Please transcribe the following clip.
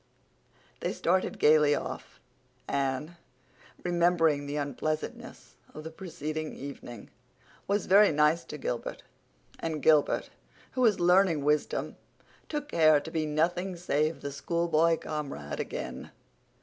They started gaily off. Anne, remembering the unpleasantness of the preceding evening, was very nice to Gilbert; and Gilbert, who was learning wisdom, took care to be nothing save the schoolboy comrade again.